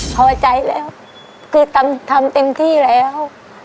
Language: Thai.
พอใจแล้วคือทำเต็มที่แล้ว